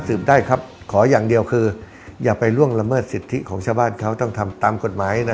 เพื่อให้มันได้ทำเวลาศักดิ์ของหนังทำนั่งของพวกเรา